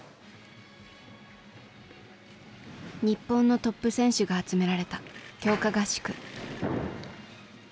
日本のトップ選手が集められた強化合宿。